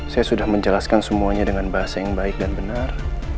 saya sudah menjelaskan semuanya dengan bahasa yang baik dan benar